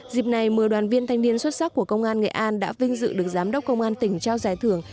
dịp này một mươi đoàn viên thanh niên xuất sắc của công an nghệ an đã vinh dự được giám đốc công an tỉnh trao giải thưởng